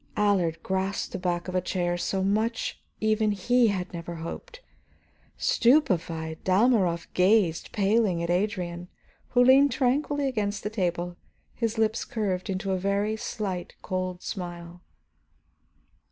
Allard grasped the back of a chair; so much even he had never hoped. Stupefied, Dalmorov gazed paling at Adrian, who leaned tranquilly against the table, his lips curved in a very slight cold smile.